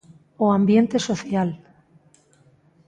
O ambiente social.